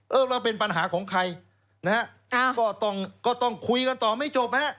เอ้อแล้วเป็นปัญหาของใครนะครับก็ต้องคุยกันต่อไม่จบแหละ